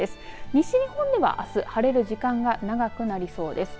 西日本では、あす晴れる時間が長くなりそうです。